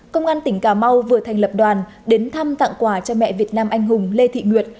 công an tỉnh cà mau vừa thành lập đoàn đến thăm tặng quà cho mẹ việt nam anh hùng lê thị nguyệt